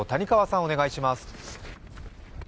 お願いします。